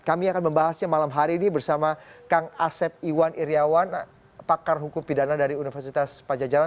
kami akan membahasnya malam hari ini bersama kang asep iwan iryawan pakar hukum pidana dari universitas pajajaran